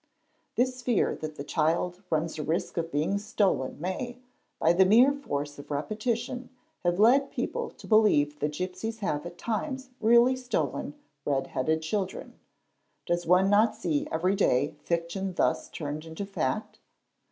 . This fear that the child runs a risk of being stolen may, by the mere force of repetition, have led people to believe that gipsies have at times really stolen 'red headed children: does one not see every day fiction thus" turned into fact?